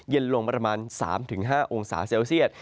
เย็นลงประมาณ๓๕องศาเซลเซียต